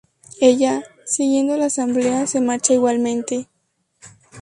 Ella, siguiendo a la Asamblea se marcha igualmente.